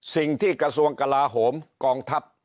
สิ่งที่กระทรวงกลาโหมกองทัพ